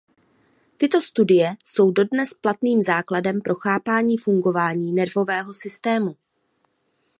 Tyto studie jsou dodnes platným základem pro chápání fungování nervového systému.